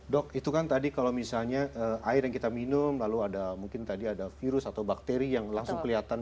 dok itu kan tadi kalau misalnya air yang kita minum lalu ada mungkin tadi ada virus atau bakteri yang langsung kelihatan